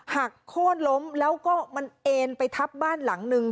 หักโค้นล้มแล้วก็มันเอ็นไปทับบ้านหลังนึง